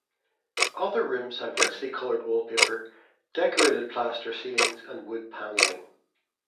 Other rooms have richly coloured wallpaper, decorated plaster ceilings and wood panelling.